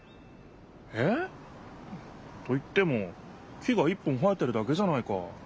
えっ？と言っても木が１本生えてるだけじゃないか。